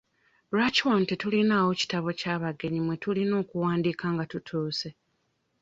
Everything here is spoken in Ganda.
Lwaki wano tetulinaawo kitabo kya bagenyi mwe tulina okuwandiika nga tutuuse?